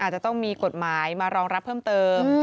จะต้องมีกฎหมายมารองรับเพิ่มเติม